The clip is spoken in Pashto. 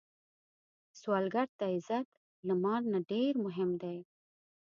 سوالګر ته عزت له مال نه ډېر مهم دی